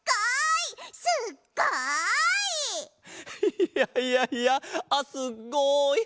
いやいやいや「すっごい！